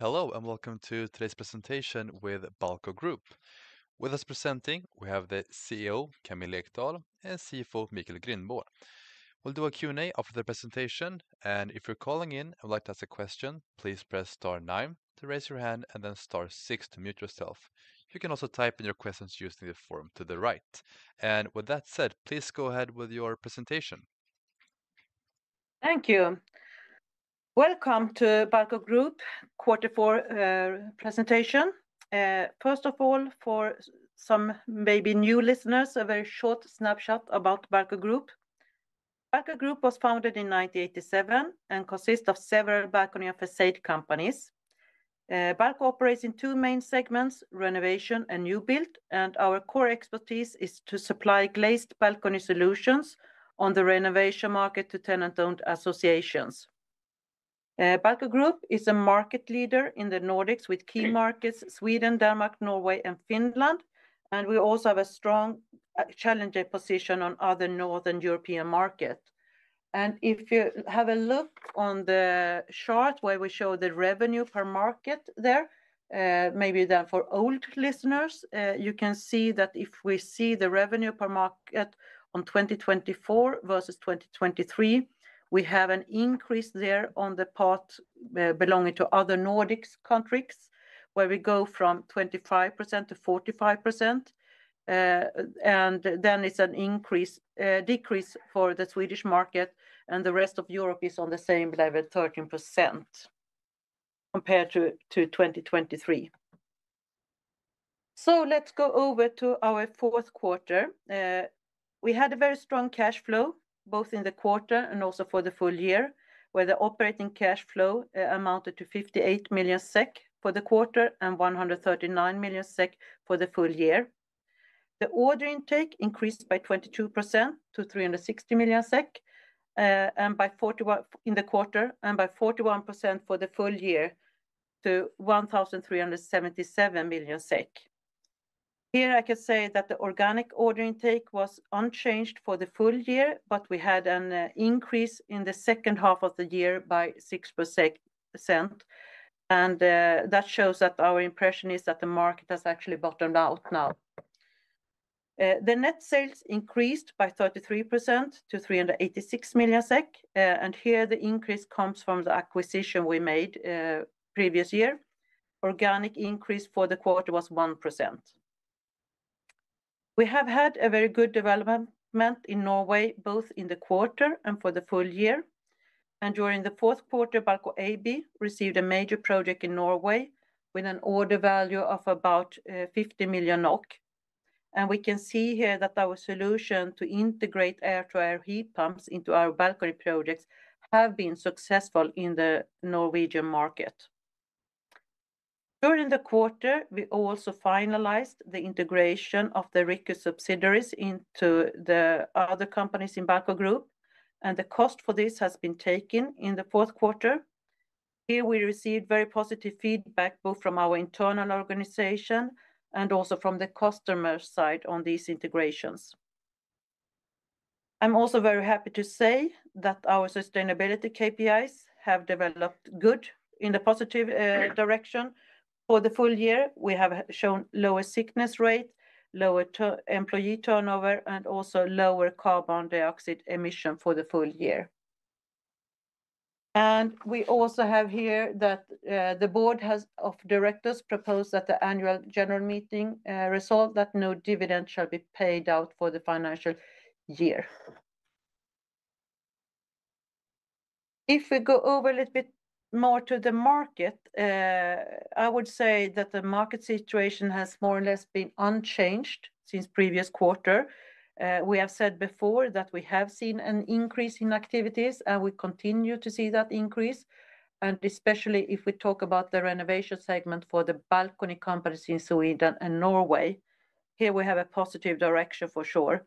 Hello, and welcome to today's presentation with Balco Group. With us presenting, we have the CEO, Camilla Ekdahl, and CFO, Michael Grindborn. We'll do a Q&A after the presentation, and if you're calling in and would like to ask a question, please press * 9 to raise your hand and then * 6 to mute yourself. You can also type in your questions using the form to the right. With that said, please go ahead with your presentation. Thank you. Welcome to Balco Group, Quarter Four Presentation. First of all, for some maybe new listeners, a very short snapshot about Balco Group. Balco Group was founded in 1987 and consists of several balcony and facade companies. Balco operates in two main segments: renovation and new build, and our core expertise is to supply glazed balcony solutions on the renovation market to tenant-owned associations. Balco Group is a market leader in the Nordics with key markets: Sweden, Denmark, Norway, and Finland, and we also have a strong challenger position on other Northern European markets. If you have a look on the chart where we show the revenue per market there, maybe then for old listeners, you can see that if we see the revenue per market on 2024 versus 2023, we have an increase there on the part belonging to other Nordic countries where we go from 25% to 45%, and then it's a decrease for the Swedish market, and the rest of Europe is on the same level, 13% compared to 2023. Let's go over to our fourth quarter. We had a very strong cash flow both in the quarter and also for the full year where the operating cash flow amounted to 58 million SEK for the quarter and 139 million SEK for the full year. The order intake increased by 22% to 360 million SEK in the quarter and by 41% for the full year to 1,377 million SEK. Here I can say that the organic order intake was unchanged for the full year, but we had an increase in the second half of the year by 6%, and that shows that our impression is that the market has actually bottomed out now. The net sales increased by 33% to 386 million SEK, and here the increase comes from the acquisition we made previous year. Organic increase for the quarter was 1%. We have had a very good development in Norway both in the quarter and for the full year, and during the fourth quarter, Balco AB received a major project in Norway with an order value of about 50 million NOK, and we can see here that our solution to integrate air-to-air heat pumps into our balcony projects has been successful in the Norwegian market. During the quarter, we also finalized the integration of the Riikku subsidiaries into the other companies in Balco Group, and the cost for this has been taken in the fourth quarter. Here we received very positive feedback both from our internal organization and also from the customer side on these integrations. I'm also very happy to say that our sustainability KPIs have developed good in the positive direction. For the full year, we have shown lower sickness rate, lower employee turnover, and also lower carbon dioxide emission for the full year. We also have here that the board of directors proposed that the annual general meeting result that no dividend shall be paid out for the financial year. If we go over a little bit more to the market, I would say that the market situation has more or less been unchanged since the previous quarter. We have said before that we have seen an increase in activities, and we continue to see that increase, and especially if we talk about the renovation segment for the balcony companies in Sweden and Norway, here we have a positive direction for sure.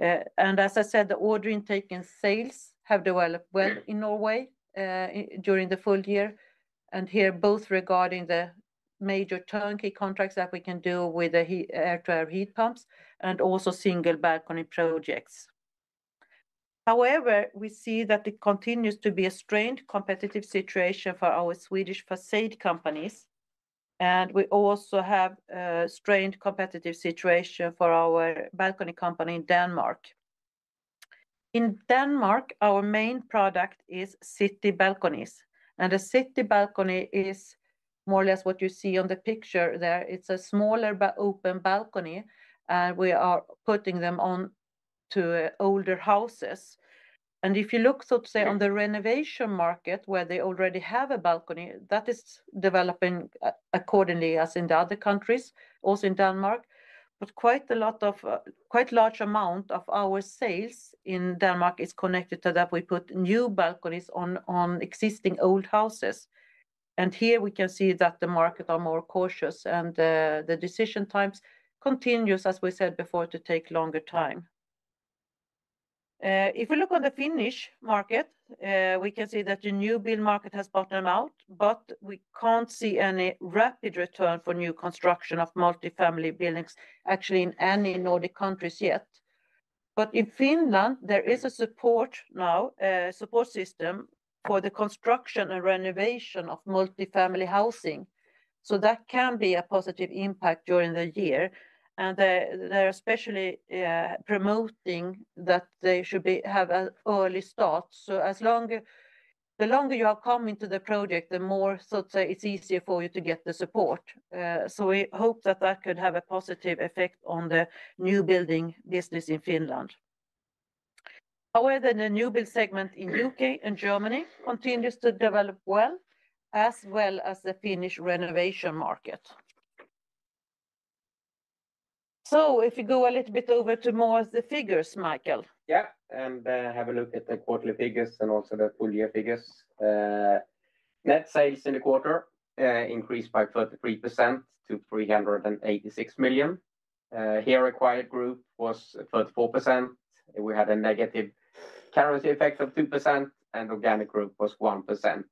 As I said, the order intake and sales have developed well in Norway during the full year, and here both regarding the major turnkey contracts that we can do with the air-to-air heat pumps and also single balcony projects. However, we see that it continues to be a strained competitive situation for our Swedish facade companies, and we also have a strained competitive situation for our balcony company in Denmark. In Denmark, our main product is city balconies, and a city balcony is more or less what you see on the picture there. It's a smaller but open balcony, and we are putting them onto older houses. If you look, so to say, on the renovation market where they already have a balcony, that is developing accordingly as in the other countries, also in Denmark. Quite a large amount of our sales in Denmark is connected to that we put new balconies on existing old houses. Here we can see that the markets are more cautious, and the decision times continue, as we said before, to take longer time. If we look on the Finnish market, we can see that the new build market has bottomed out, but we can't see any rapid return for new construction of multi-family buildings actually in any Nordic countries yet. In Finland, there is a support now, a support system for the construction and renovation of multi-family housing, so that can be a positive impact during the year, and they're especially promoting that they should have an early start. The longer you are coming to the project, the more, so to say, it's easier for you to get the support. We hope that that could have a positive effect on the new building business in Finland. However, the new build segment in the U.K., and Germany continues to develop well, as well as the Finnish renovation market. If you go a little bit over to more of the figures, Michael Grindborn. Yeah, and have a look at the quarterly figures and also the full year figures. Net sales in the quarter increased by 33% to 386 million. Here acquired group was 34%. We had a negative currency effect of 2%, and organic group was 1%.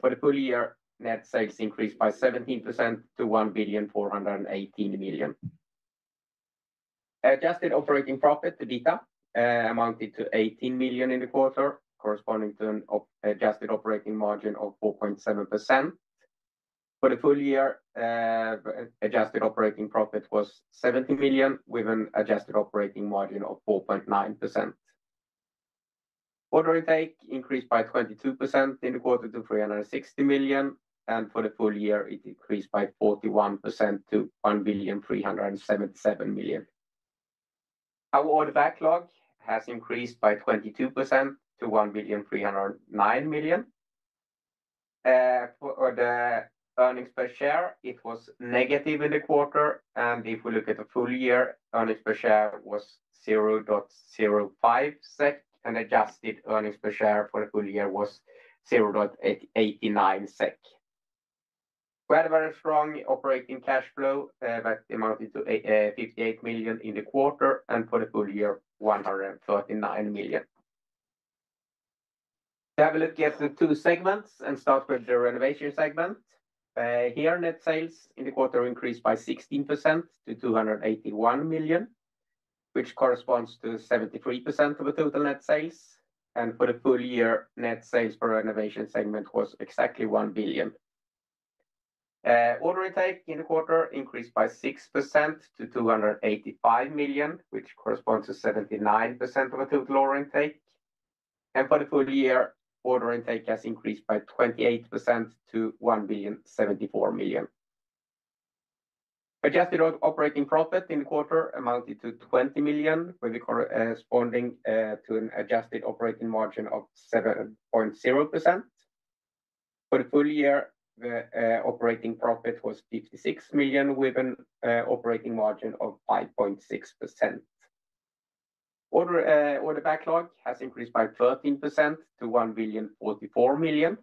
For the full year, net sales increased by 17% to 1,418 million. Adjusted operating profit, the EBITA, amounted to 18 million in the quarter, corresponding to an adjusted operating margin of 4.7%. For the full year, adjusted operating profit was 70 million with an adjusted operating margin of 4.9%. Order intake increased by 22% in the quarter to 360 million, and for the full year, it increased by 41% to 1,377 million. Our order backlog has increased by 22% to 1,309 million. For the earnings per share, it was negative in the quarter, and if we look at the full year, earnings per share was 0.05 SEK, and adjusted earnings per share for the full year was 0.89 SEK. We had a very strong operating cash flow that amounted to 58 million in the quarter and for the full year, 139 million. Have a look at the two segments and start with the renovation segment. Here, net sales in the quarter increased by 16% to 281 million, which corresponds to 73% of the total net sales, and for the full year, net sales per renovation segment was exactly 1 billion. Order intake in the quarter increased by 6% to 285 million, which corresponds to 79% of the total order intake, and for the full year, order intake has increased by 28% to 1,074 million. Adjusted operating profit in the quarter amounted to 20 million, corresponding to an adjusted operating margin of 7.0%. For the full year, the operating profit was 56 million with an operating margin of 5.6%. Order backlog has increased by 13% to 1,044 million,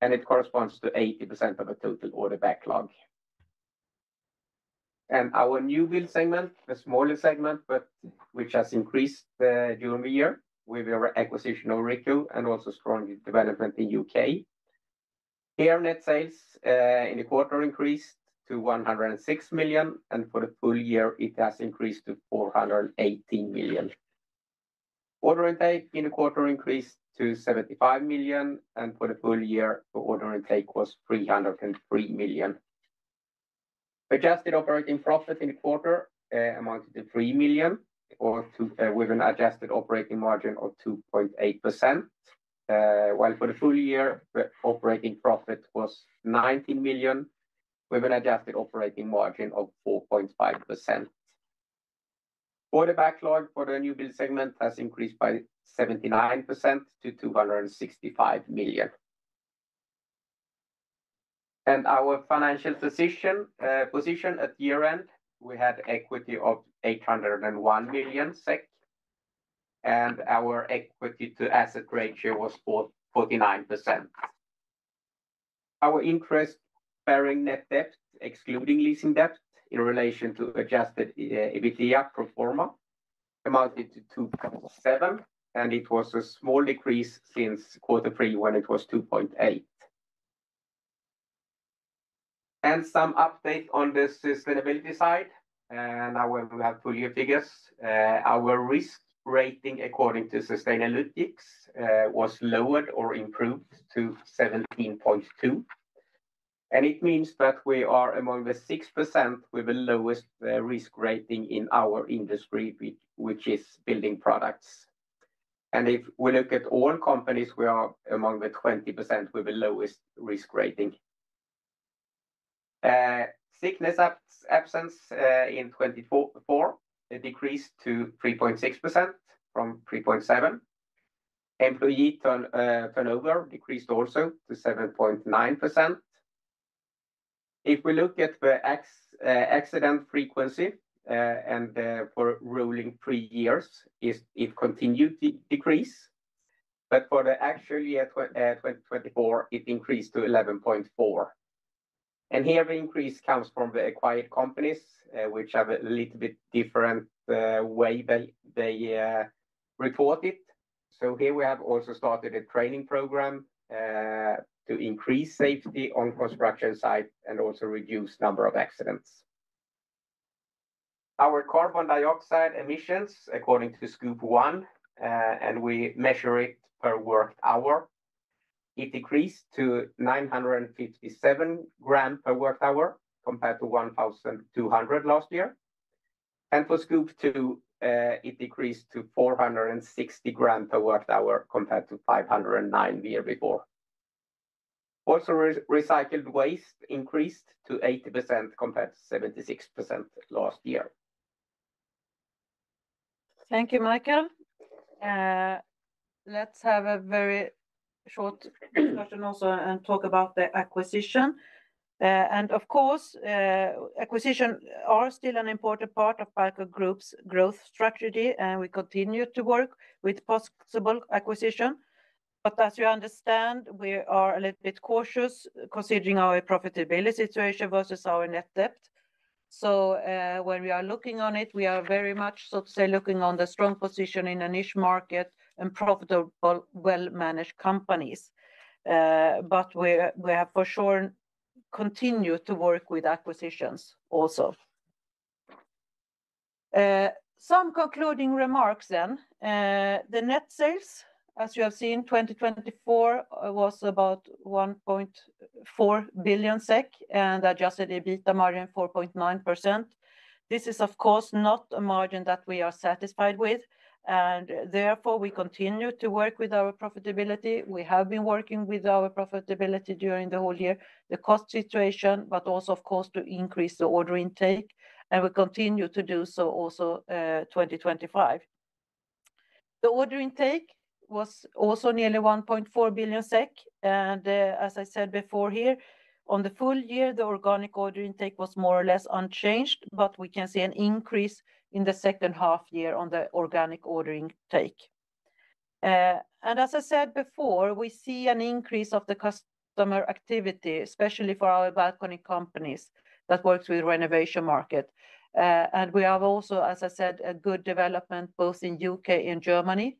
and it corresponds to 80% of the total order backlog. Our new build segment, the smaller segment, has increased during the year with our acquisition of Riikku and also strong development in the U.K. Here, net sales in the quarter increased to 106 million, and for the full year, it has increased to 418 million. Order intake in the quarter increased to 75 million, and for the full year, order intake was 303 million. Adjusted operating profit in the quarter amounted to 3 million with an adjusted operating margin of 2.8%, while for the full year, operating profit was 19 million with an adjusted operating margin of 4.5%. Order backlog for the new build segment has increased by 79% to 265 million. Our financial position at year-end, we had equity of 801 million SEK, and our equity-to-asset ratio was 49%. Our interest-bearing net debt, excluding leasing debt in relation to adjusted EBITDA pro forma, amounted to 2.7, and it was a small decrease since quarter three when it was 2.8. Some update on the sustainability side, and now we have full year figures. Our risk rating according to Sustainalytics was lowered or improved to 17.2, and it means that we are among the 6% with the lowest risk rating in our industry, which is building products. If we look at all companies, we are among the 20% with the lowest risk rating. Sickness absence in 2024 decreased to 3.6% from 3.7%. Employee turnover decreased also to 7.9%. If we look at the accident frequency and for rolling three years, it continued to decrease, but for the actual year 2024, it increased to 11.4. The increase comes from the acquired companies, which have a little bit different way they report it. We have also started a training program to increase safety on construction sites and also reduce the number of accidents. Our carbon dioxide emissions, according to Scope 1, and we measure it per work hour, decreased to 957 grams per work hour compared to 1,200 last year. For Scope 2, it decreased to 460 grams per work hour compared to 509 the year before. Also, recycled waste increased to 80% compared to 76% last year. Thank you, Michael Grindborn. Let's have a very short discussion also and talk about the acquisition. Acquisitions are still an important part of Balco Group's growth strategy, and we continue to work with possible acquisitions. As you understand, we are a little bit cautious considering our profitability situation versus our net debt. When we are looking on it, we are very much, so to say, looking on the strong position in a niche market and profitable, well-managed companies. We have for sure continued to work with acquisitions also. Some concluding remarks then. The net sales, as you have seen, 2024 was about 1.4 billion SEK, and adjusted EBITDA margin 4.9%. This is, of course, not a margin that we are satisfied with, and therefore we continue to work with our profitability. We have been working with our profitability during the whole year, the cost situation, but also, of course, to increase the order intake, and we continue to do so also 2025. The order intake was also nearly 1.4 billion SEK, and as I said before here, on the full year, the organic order intake was more or less unchanged, but we can see an increase in the second half year on the organic order intake. As I said before, we see an increase of the customer activity, especially for our balcony companies that work with the renovation market. We have also, as I said, a good development both in the U.K., and Germany,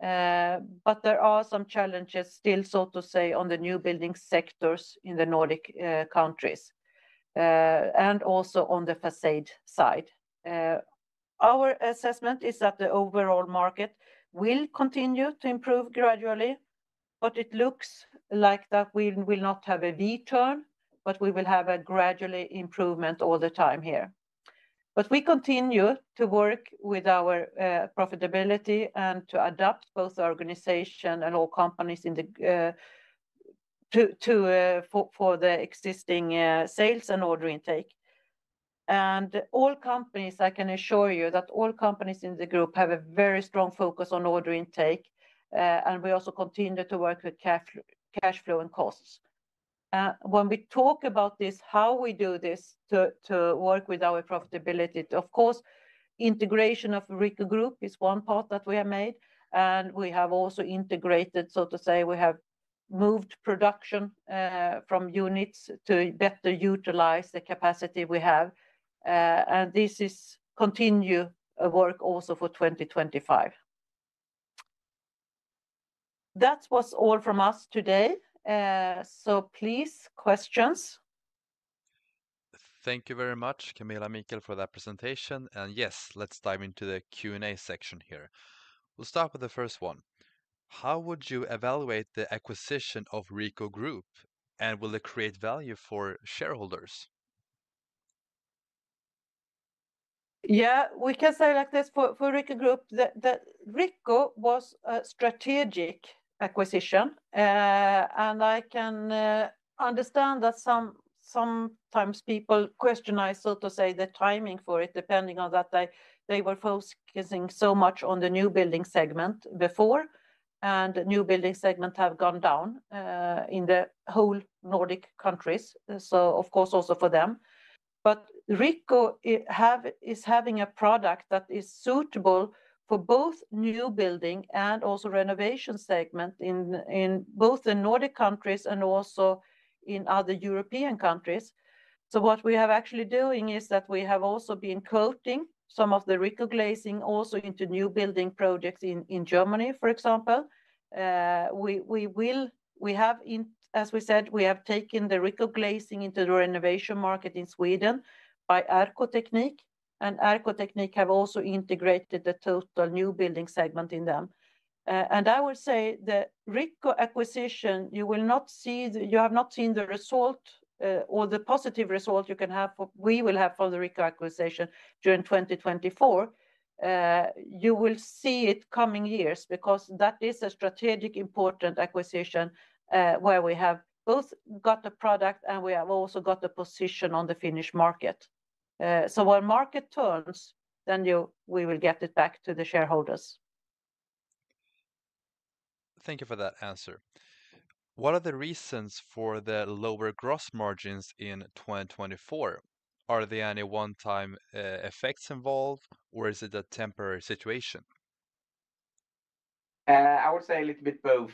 but there are some challenges still, so to say, on the new building sectors in the Nordic countries and also on the facade side. Our assessment is that the overall market will continue to improve gradually, but it looks like that we will not have a V-turn, we will have a gradual improvement all the time here. We continue to work with our profitability and to adapt both our organization and all companies for the existing sales and order intake. All companies, I can assure you that all companies in the group have a very strong focus on order intake, and we also continue to work with cash flow and costs. When we talk about this, how we do this to work with our profitability, of course, integration of Riikku Group is one part that we have made, and we have also integrated, so to say, we have moved production from units to better utilize the capacity we have, and this is continued work also for 2025. That was all from us today, so please, questions. Thank you very much, Camilla Ekdahl and Michael Grindborn, for that presentation, and yes, let's dive into the Q&A section here. We'll start with the first one. How would you evaluate the acquisition of Riikku Group, and will it create value for shareholders? Yeah, we can say like this for Riikku Group. Riikku was a strategic acquisition, and I can understand that sometimes people question, I, so to say, the timing for it, depending on that they were focusing so much on the new building segment before, and the new building segment has gone down in the whole Nordic countries, of course also for them. Riikku is having a product that is suitable for both new building and also renovation segment in both the Nordic countries and also in other European countries. What we have actually been doing is that we have also been quoting some of the Riikku glazing also into new building projects in Germany, for example. We have, as we said, we have taken the Riikku glazing into the renovation market in Sweden by Arkoteknik, and Arkoteknik have also integrated the total new building segment in them. I will say the Riikku acquisition, you will not see, you have not seen the result or the positive result you can have, we will have for the Riikku acquisition during 2024. You will see it coming years because that is a strategic, important acquisition where we have both got the product and we have also got the position on the Finnish market. When market turns, then we will get it back to the shareholders. Thank you for that answer. What are the reasons for the lower gross margins in 2024? Are there any one-time effects involved, or is it a temporary situation? I would say a little bit both,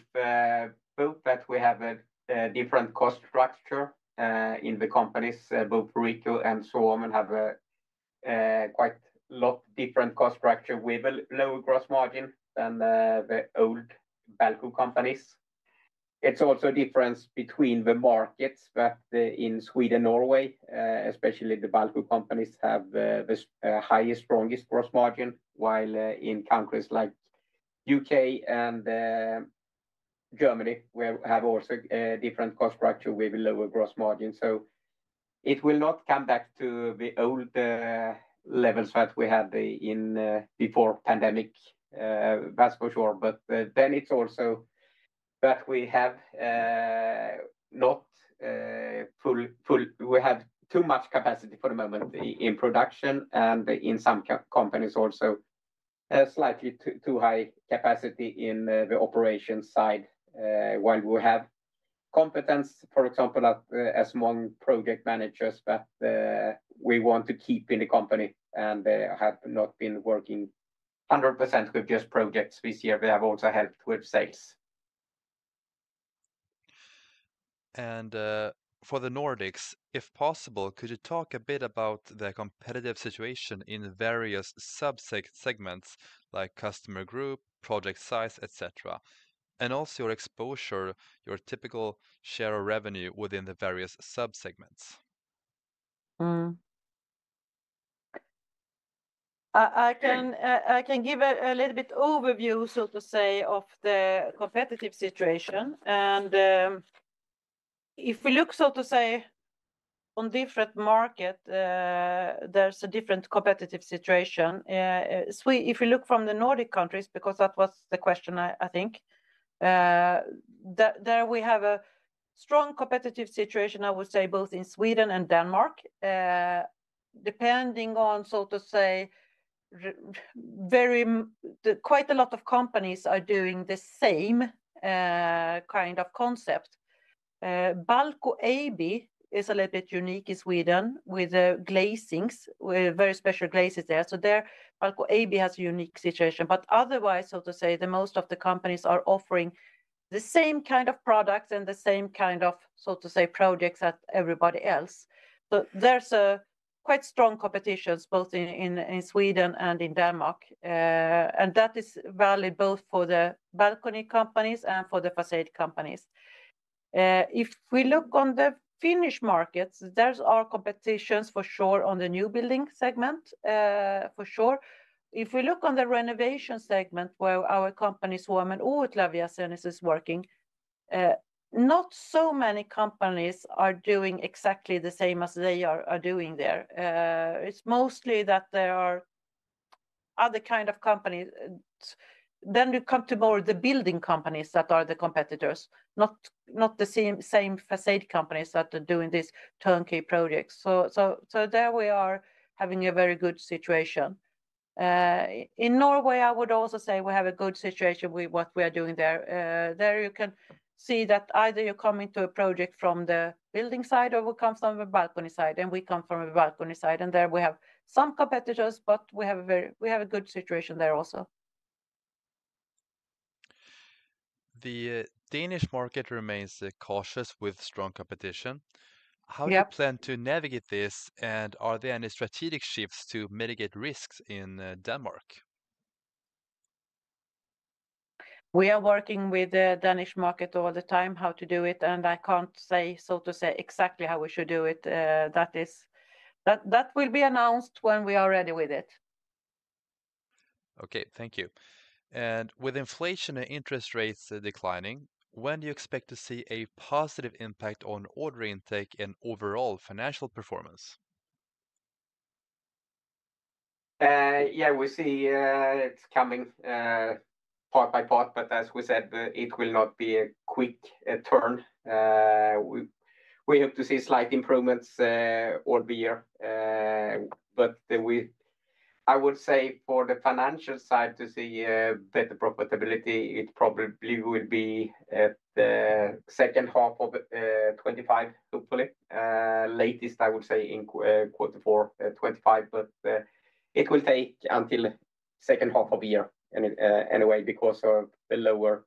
both that we have a different cost structure in the companies, both Riikku and Suomen Ohutlevyasennus, and have quite a lot different cost structure with a lower gross margin than the old Balco companies. It's also a difference between the markets that in Sweden and Norway, especially the Balco companies have the highest, strongest gross margin, while in countries like the U.K., and Germany, we have also a different cost structure with a lower gross margin. It will not come back to the old levels that we had before the pandemic, that's for sure. We have not, we have too much capacity for the moment in production, and in some companies also slightly too high capacity in the operations side, while we have competence, for example, as among project managers that we want to keep in the company and have not been working 100% with just projects this year. We have also helped with sales. For the Nordics, if possible, could you talk a bit about the competitive situation in various subsegments, like customer group, project size, etc., and also your exposure, your typical share of revenue within the various subsegments? I can give a little bit overview, so to say, of the competitive situation, and if we look, so to say, on different markets, there's a different competitive situation. If you look from the Nordic countries, because that was the question, I think, there we have a strong competitive situation, I would say, both in Sweden and Denmark. Depending on, so to say, quite a lot of companies are doing the same kind of concept. Balco AB is a little bit unique in Sweden with the glazings, very special glazes there. So there Balco AB has a unique situation, but otherwise, so to say, most of the companies are offering the same kind of products and the same kind of, so to say, projects as everybody else. There is quite strong competition both in Sweden and in Denmark, and that is valid both for the balcony companies and for the facade companies. If we look on the Finnish markets, there are competitions for sure on the new building segment, for sure. If we look on the renovation segment, where our company, Suomen Ohutlevyasennus, is working, not so many companies are doing exactly the same as they are doing there. It is mostly that there are other kinds of companies. You come to more of the building companies that are the competitors, not the same facade companies that are doing these turnkey projects. There we are having a very good situation. In Norway, I would also say we have a good situation with what we are doing there. There you can see that either you come into a project from the building side or we come from the balcony side, and we come from the balcony side, and there we have some competitors, but we have a good situation there also. The Danish market remains cautious with strong competition. How do you plan to navigate this, and are there any strategic shifts to mitigate risks in Denmark? We are working with the Danish market all the time how to do it, and I can't say, so to say, exactly how we should do it. That will be announced when we are ready with it. Okay, thank you. With inflation and interest rates declining, when do you expect to see a positive impact on order intake and overall financial performance? Yeah, we see it's coming part by part, but as we said, it will not be a quick turn. We hope to see slight improvements all the year, but I would say for the financial side to see better profitability, it probably will be at the second half of 2025, hopefully. Latest, I would say in quarter four 2025, but it will take until the second half of the year anyway because of the lower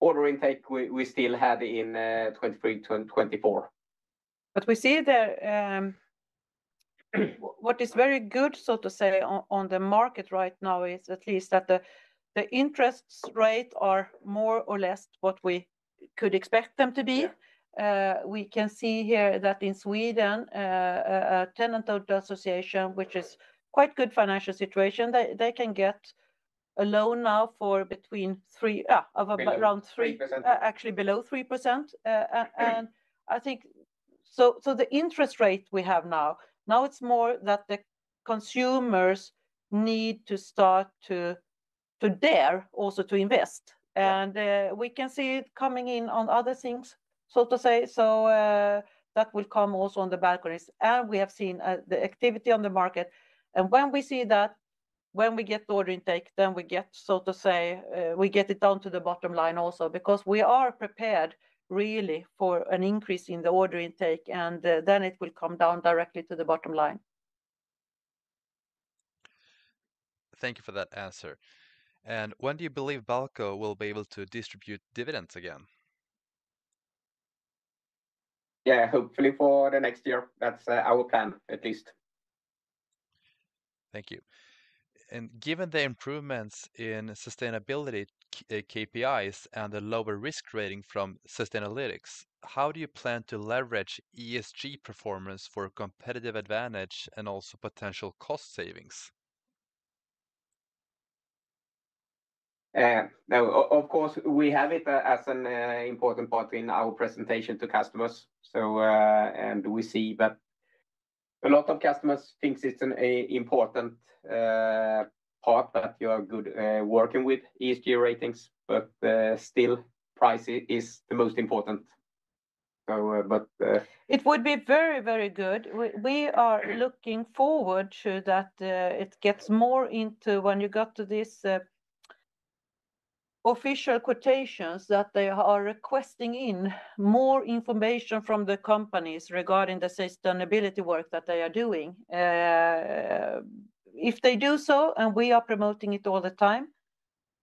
order intake we still had in 2023-2024. We see that what is very good, so to say, on the market right now is at least that the interest rates are more or less what we could expect them to be. We can see here that in Sweden, a tenant-owned association, which is quite a good financial situation, they can get a loan now for between 3, around 3, actually below 3%. I think the interest rate we have now, now it's more that the consumers need to start to dare also to invest, and we can see it coming in on other things, so to say, so that will come also on the balconies. We have seen the activity on the market, and when we see that, when we get the order intake, then we get, so to say, we get it down to the bottom line also because we are prepared really for an increase in the order intake, and then it will come down directly to the bottom line. Thank you for that answer. When do you believe Balco will be able to distribute dividends again? Yeah, hopefully for the next year. That's our plan at least. Thank you. Given the improvements in sustainability KPIs and the lower risk rating from Sustainalytics, how do you plan to leverage ESG performance for competitive advantage and also potential cost savings? Of course, we have it as an important part in our presentation to customers, and we see that a lot of customers think it's an important part that you are good working with ESG ratings, but still price is the most important. It would be very, very good. We are looking forward to that it gets more into when you got to these official quotations that they are requesting in more information from the companies regarding the sustainability work that they are doing. If they do so, and we are promoting it all the time,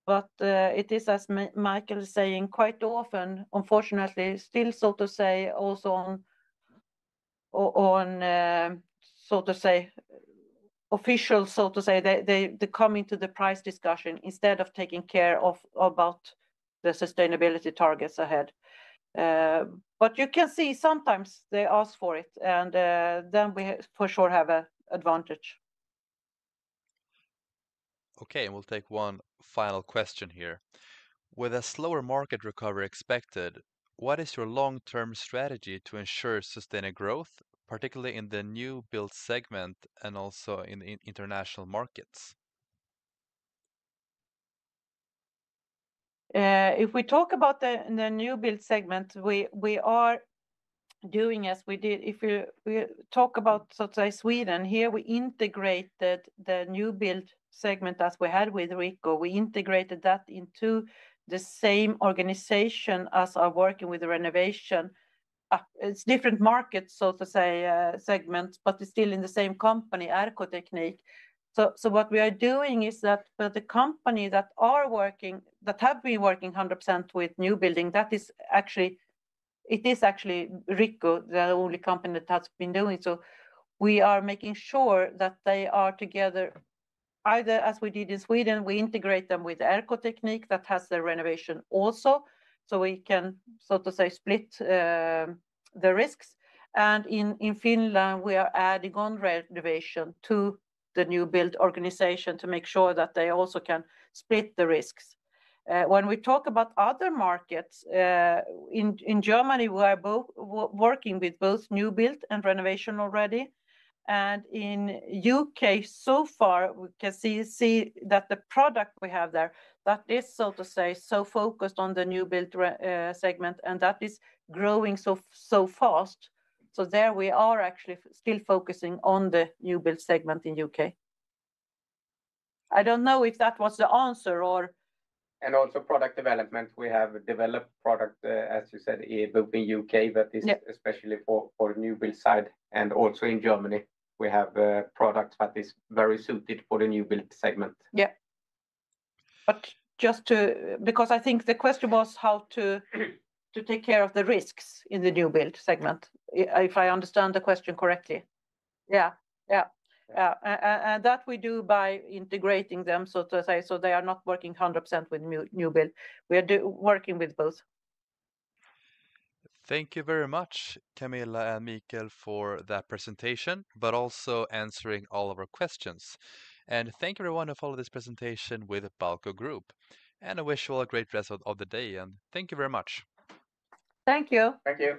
it is, as Michael Grindborn is saying, quite often, unfortunately, still, so to say, also on, so to say, official, so to say, they come into the price discussion instead of taking care of about the sustainability targets ahead. You can see sometimes they ask for it, and then we for sure have an advantage. Okay, and we'll take one final question here. With a slower market recovery expected, what is your long-term strategy to ensure sustainable growth, particularly in the new build segment and also in international markets? If we talk about the new build segment, we are doing as we did. If we talk about, so to say, Sweden here, we integrated the new build segment as we had with Riikku. We integrated that into the same organization as are working with the renovation. It's different markets, so to say, segments, but it's still in the same company, Arkoteknik. What we are doing is that for the company that are working, that have been working 100% with new building, that is actually, it is actually Riikku, the only company that has been doing. We are making sure that they are together, either as we did in Sweden, we integrate them with Arkoteknik that has the renovation also, so we can, so to say, split the risks. In Finland, we are adding on renovation to the new build organization to make sure that they also can split the risks. When we talk about other markets, in Germany, we are working with both new build and renovation already. In the U.K., so far, we can see that the product we have there, that is, so to say, so focused on the new build segment, and that is growing so fast. There we are actually still focusing on the new build segment in the U.K. I don't know if that was the answer or. Also, product development. We have developed product, as you said, both in the U.K., but especially for the new build side, and also in Germany, we have products that are very suited for the new build segment. Yeah. Just to, because I think the question was how to take care of the risks in the new build segment, if I understand the question correctly. Yeah, yeah, yeah. That we do by integrating them, so to say, so they are not working 100% with new build. We are working with both. Thank you very much, Camilla Ekdahl and Michael Grindborn, for that presentation, but also answering all of our questions. Thank you everyone who followed this presentation with Balco Group. I wish you all a great rest of the day, and thank you very much. Thank you. Thank you.